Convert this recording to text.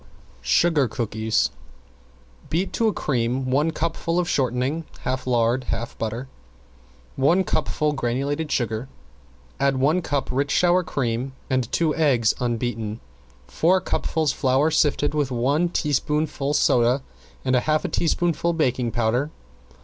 ~SUGAR COOKIES~ Beat to a cream one cupful of shortening, half lard and half butter, one cupful granulated sugar. Add one cup rich sour cream and two eggs unbeaten, four cupfuls flour sifted with one teaspoonful soda and a half teaspoonful baking powder.